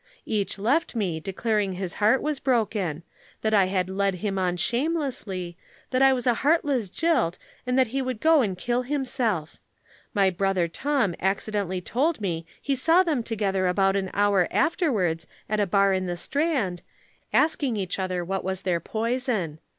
Each left me, declaring his heart was broken, that I had led him on shamelessly, that I was a heartless jilt and that he would go and kill himself. My brother Tom accidentally told me he saw them together about an hour afterwards at a bar in the Strand, asking each other what was their poison.